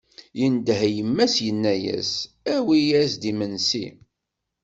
Yendeh i yemma-s yenna-as: Awi-as-d imensi!